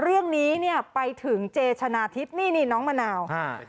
เรื่องนี้เนี่ยไปถึงเจชนะทิพย์นี่นี่น้องมะนาวอ่า